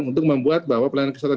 untuk membuat bahwa pelayanan kesehatan